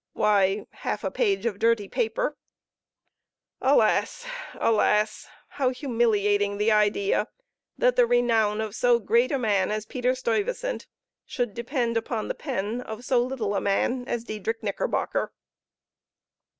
Why, half a page of dirty paper! Alas, alas! how humiliating the idea, that the renown of so great a man as Peter Stuyvesant should depend upon the pen of so little a man as Diedrich Knickerbocker!